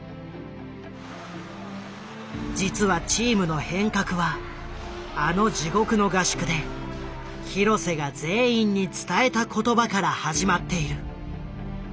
実はチームの変革はあの地獄の合宿で廣瀬が全員に伝えた言葉から始まっている。